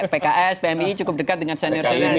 pks pmi cukup dekat dengan senior senior